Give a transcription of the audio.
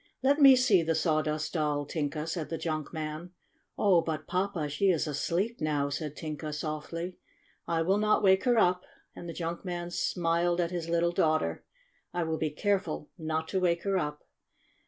"Let me see the Sawdust Doll, Tinka!'' said the junk man. "Oh, but, Papa, she is asleep, now," said Tinka softly. "I will not wake her up," and the junk man smiled at his little daughter. "I will be careful not to wake her up."